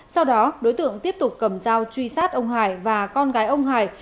sau đó đối tượng tiếp tục cầm dao truy sát ông hải và con gái ông hải